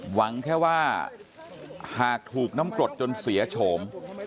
หวังแค่ว่าหากถูกน้ำกรดจนเสียโฉม